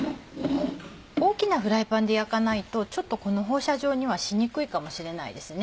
大きなフライパンで焼かないとちょっとこの放射状にはしにくいかもしれないですね。